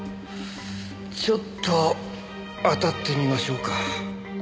ちょっと当たってみましょうか。